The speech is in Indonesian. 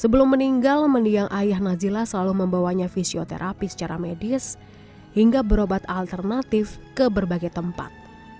sebelum meninggal mendiang ayah nazila selalu membawanya fisioterapi secara medis hingga berobat alternatif ke berbagai tempat